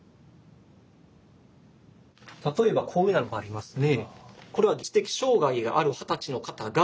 例えばこういうのがありますね。